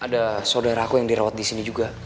ada saudara aku yang dirawat disini juga